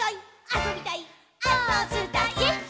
あそびたいっ！！」